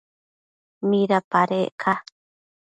¿midapadec ca?